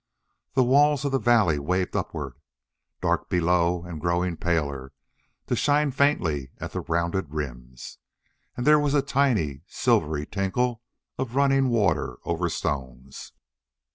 The walls of the valley waved upward, dark below and growing paler, to shine faintly at the rounded rims. And there was a tiny, silvery tinkle of running water over stones.